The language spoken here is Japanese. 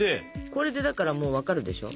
これでだからもう分かるでしょ。